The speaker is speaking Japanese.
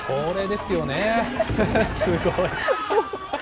すごい。